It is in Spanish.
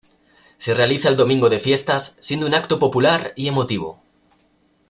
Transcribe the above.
Se realiza el domingo de fiestas, siendo un acto popular y emotivo.